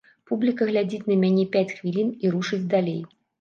Публіка глядзіць на мяне пяць хвілін і рушыць далей.